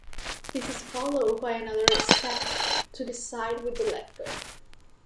This is followed by another step to the side with the left foot.